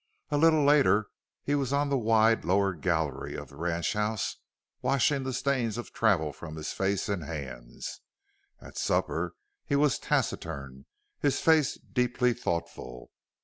A little later he was on the wide lower gallery of the ranchhouse washing the stains of travel from his face and hands. At supper he was taciturn, his face deeply thoughtful.